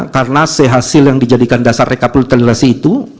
karena sehasil yang dijadikan dasar rekapitulasi itu